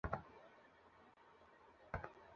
কীভাবে ওদের বিশ্বাস করাবো?